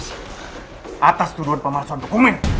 setuduh pemalasan dukungin